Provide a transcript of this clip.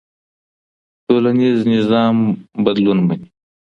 ټولنيز نظام بدلون مني.